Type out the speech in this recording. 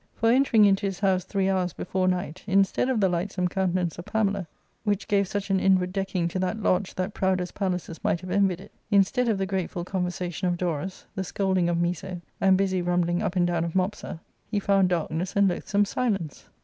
For, entering into his house three hours before night, instead of the lightsome countenance of Pamela, which gave such an inward decking to that lodge that proudest palaces might have envied it, instead of the grateful conversation of Dorus, the scolding of Miso, and busy rumbling up and down of Mopsa, he found darkness and loathsome silence.